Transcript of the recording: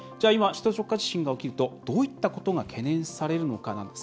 今、首都直下地震が起きるとどういったことが懸念されるのか。